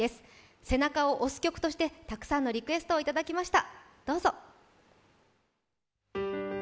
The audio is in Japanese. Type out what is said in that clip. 背中を押す曲として、たくさんのリクエストをいただきました。